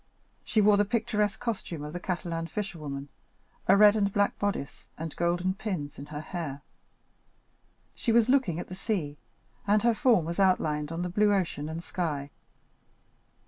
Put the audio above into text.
She wore the picturesque costume of the Catalan fisherwomen, a red and black bodice, and golden pins in her hair. She was looking at the sea, and her form was outlined on the blue ocean and sky.